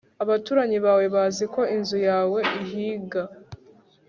Abaturanyi bawe bazi ko inzu yawe ihiga